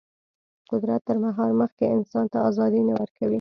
قدرت تر مهار مخکې انسان ته ازادي نه ورکوي.